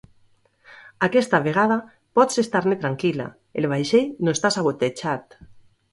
Aquesta vegada, pots estar-ne tranquil·la, el vaixell no està sabotejat.